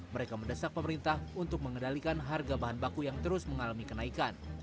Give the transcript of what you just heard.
mereka mendesak pemerintah untuk mengendalikan harga bahan baku yang terus mengalami kenaikan